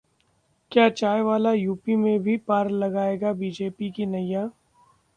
क्या चाय वाला यूपी में भी पार लगाएगा बीजेपी की नैया?